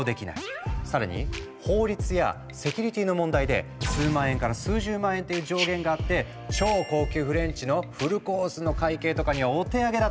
更に法律やセキュリティーの問題で数万円から数十万円っていう上限があって超高級フレンチのフルコースの会計とかにはお手上げだったんだ。